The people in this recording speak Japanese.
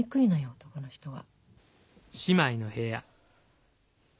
男の人は。